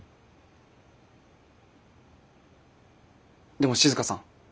でも静さん。